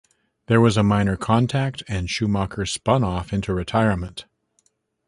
There was minor contact and Schumacher spun off into retirement.